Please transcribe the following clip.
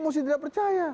mesti tidak percaya